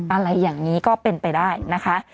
อะไรอย่างนี้ก็เป็นไปได้นะคะ